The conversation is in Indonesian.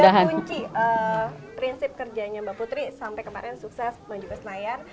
ada kunci prinsip kerjanya mbak putri sampai kemarin sukses maju ke senayan